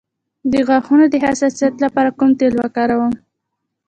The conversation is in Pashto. د غاښونو د حساسیت لپاره کوم تېل وکاروم؟